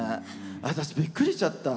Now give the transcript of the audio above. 私、びっくりしちゃった。